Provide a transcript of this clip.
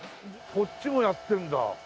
こっちもやってるんだ。